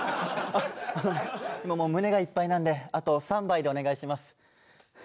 あのもう胸がいっぱいなのであと３杯でお願いします。